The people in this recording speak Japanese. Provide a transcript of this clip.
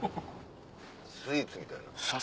スイーツみたいな。